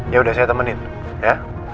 ya udah saya temenin ya